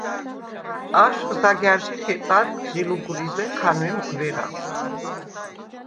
აშხვ ზაგა̈რჟი ხეწადხ ჟი ლუგვრიზე ჴანვემ გვერა.